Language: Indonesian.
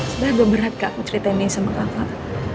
sudah agak berat kak aku cerita ini sama kakak